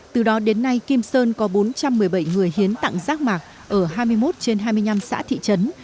từ đó đến nay kim sơn có bốn trăm một mươi bảy người hiến tặng rác mạc ở hai mươi một trên hai mươi năm xã thị trấn